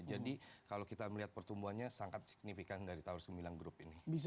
jadi kalau kita melihat pertumbuhannya sangat signifikan dari taurus gemilang group ini